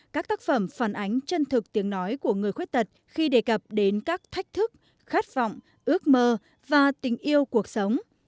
các tác phẩm phản ánh chân thực tiếng nói của người khuyết tật khi đề cập đến các thách thức khát vọng ước mơ và tình yêu cuộc sống